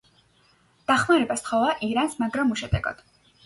დახმარება სთხოვა ირანს, მაგრამ უშედეგოდ.